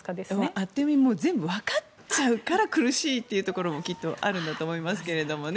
あっという間に全部わかっちゃうから苦しいというところもきっとあるんだと思いますけどね。